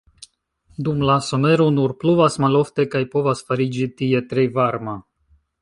Dum la somero nur pluvas malofte kaj povas fariĝi tie tre varma.